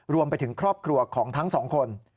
รวมไปถึงครอบครัวของทั้งสองคน